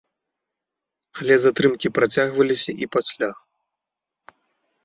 Але затрымкі працягваліся і пасля.